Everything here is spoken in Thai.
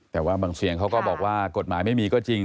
แต่ว่าบางเสียงเขาก็บอกว่ากฎหมายไม่มีก็จริง